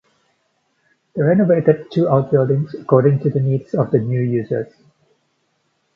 The renovated two outbuildings according to the needs of the new users.